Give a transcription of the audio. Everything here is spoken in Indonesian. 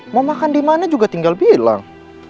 mau makan dimana juga tinggal bilang